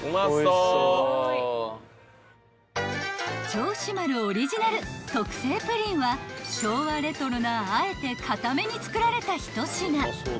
［銚子丸オリジナル特製プリンは昭和レトロなあえて固めに作られた一品］